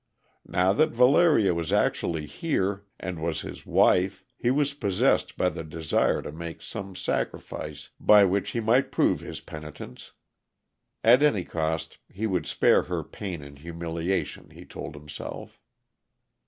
Now that Valeria was actually here, and was his wife, he was possessed by the desire to make some sacrifice by which he might prove his penitence. At any cost he would spare her pain and humiliation, he told himself.